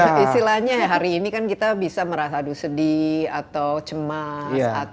jadi istilahnya hari ini kan kita bisa merasa sedih atau cemas